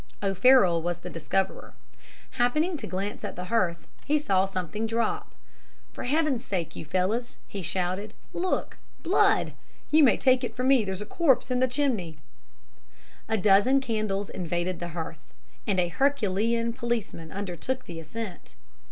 O'Farroll was the discoverer. Happening to glance at the hearth he saw something drop. "'For Heaven's sake, you fellows!' he shouted. 'Look! Blood! You may take it from me there's a corpse in the chimney.' "A dozen candles invaded the hearth, and a herculean policeman undertook the ascent.